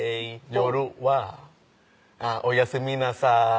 夜は「おやすみなさい」